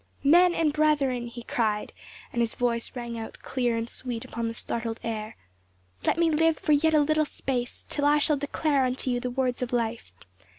"Men and brethren," he cried, and his voice rang out clear and sweet upon the startled air. "Let me live for yet a little space, till I shall declare unto you the words of life.